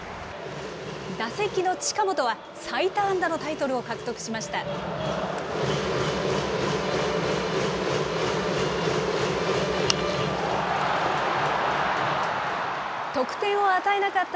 打席の近本は最多安打のタイトルを獲得しました。